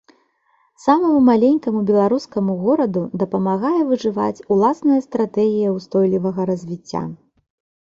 Самаму маленькаму беларускаму гораду дапамагае выжываць уласная стратэгія ўстойлівага развіцця.